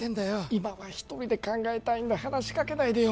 今は一人で考えたいんだ話しかけないでよ